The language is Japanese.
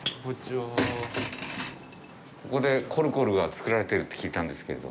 ここで「コルコル」が造られてると聞いたんですけど。